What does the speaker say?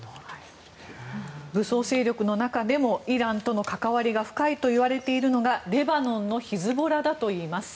武装勢力の中でもイランとの関わりが深いといわれているのがレバノンのヒズボラだといいます。